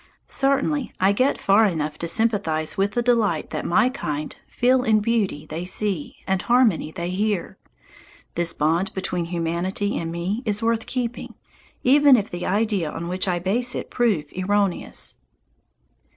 Certainly I get far enough to sympathize with the delight that my kind feel in beauty they see and harmony they hear. This bond between humanity and me is worth keeping, even if the idea on which I base it prove erroneous.